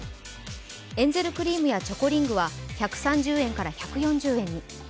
エンゼルクリームやチョコリングは１３０円から１４０円に。